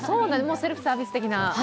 セルフサービス的な。